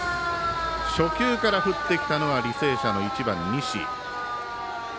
初球から振ってきたのは履正社の１番、西。